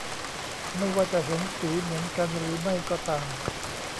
ไม่ว่าจะเห็นสีเหมือนกันหรือไม่ก็ตาม